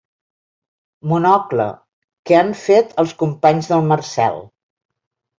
"Monocle" que han fet els companys del Marcel.